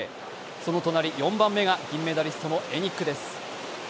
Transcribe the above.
その隣、４番目が銀メダリストのエニックです。